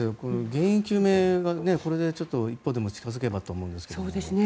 原因究明にこれで一歩でも近づけばと思いますよね。